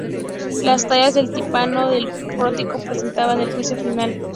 Las tallas del tímpano del pórtico representan el Juicio Final.